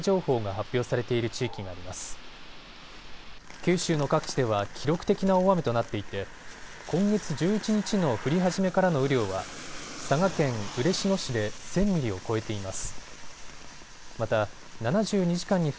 九州の各地では記録的な大雨となっていて今月１１日の降り始めからの雨量は佐賀県嬉野市で１０００ミリを超えています。